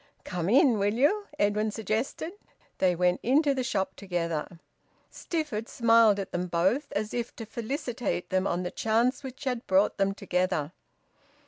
"Come in, will you?" Edwin suggested. They went into the shop together. Stifford smiled at them both, as if to felicitate them on the chance which had brought them together.